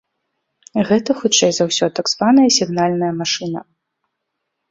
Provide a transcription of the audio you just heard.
Гэта, хутчэй за ўсё, так званая сігнальная машына.